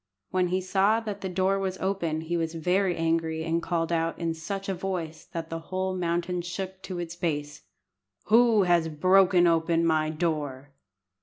When he saw that the door was open he was very angry, and called out, in such a voice that the whole mountain shook to its base, "Who has broken open my door?"